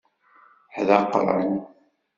Ḥdaqren.